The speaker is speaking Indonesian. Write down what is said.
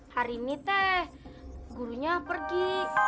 hari ini teh gurunya pergi